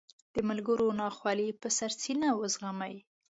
د ملګرو ناخوالې په سړه سینه وزغمي.